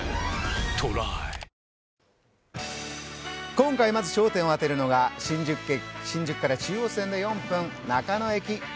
今回、まず焦点を当てるのが新宿から中央線で４分、中野駅。